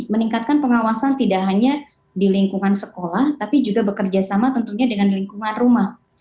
meningkatkan pengawasan tidak hanya di lingkungan sekolah tapi juga bekerja sama tentunya dengan lingkungan rumah